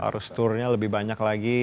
harus turunnya lebih banyak lagi